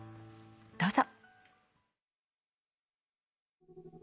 どうぞ。